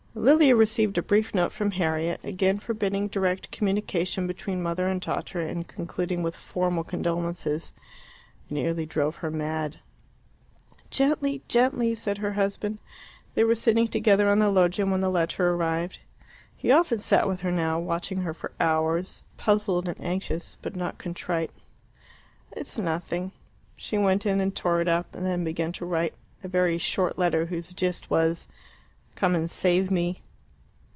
Lilia received a brief note from Harriet, again forbidding direct communication between mother and daughter, and concluding with formal condolences. It nearly drove her mad. "Gently! gently!" said her husband. They were sitting together on the loggia when the letter arrived. He often sat with her now, watching her for hours, puzzled and anxious, but not contrite. "It's nothing." She went in and tore it up, and then began to write a very short letter, whose gist was "Come and save me."